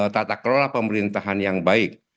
tata kelola pemerintahan yang baik